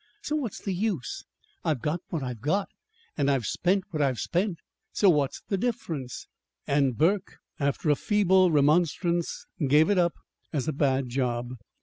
So what's the use? I've got what I've got, and I've spent what I've spent. So what's the difference?" And Burke, after a feeble remonstrance, gave it up as a bad job.